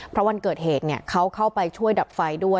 เพราะวันเกิดเหตุเขาเข้าไปช่วยดับไฟด้วย